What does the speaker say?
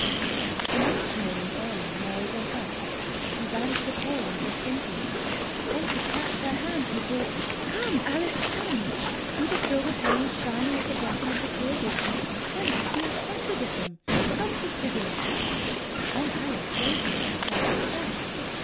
The next morning early, Mary got up. She ran to the pail and looked into it. Then she clapped her hands and called: "Come, Alice, come! See the silver pennies shining at the bottom of the clear water! There must be a hundred of them! Come, sister, dear!" Then Alice, waking, tried to sit up.